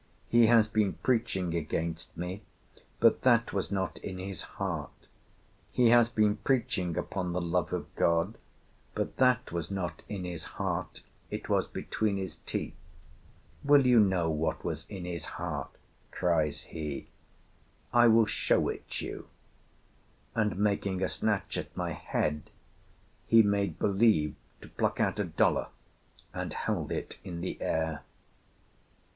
He has been preaching against me, but that was not in his heart. He has been preaching upon the love of God; but that was not in his heart, it was between his teeth. Will you know what was in his heart?'—cries he. 'I will show it you!' And, making a snatch at my head, he made believe to pluck out a dollar, and held it in the air.